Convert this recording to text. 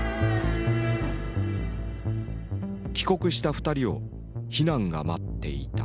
帰国した２人を非難が待っていた。